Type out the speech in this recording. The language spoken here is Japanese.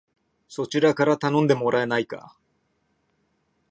そちらから頼んでもらえないか